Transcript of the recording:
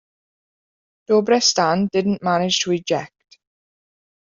Dobre Stan didn't manage to eject.